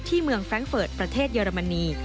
เมืองแร้งเฟิร์ตประเทศเยอรมนี